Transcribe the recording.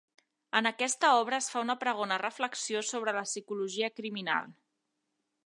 En aquesta obra es fa una pregona reflexió sobre la psicologia criminal.